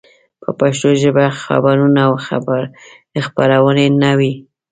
په پښتو ژبه خبرونه او خپرونې نه وې.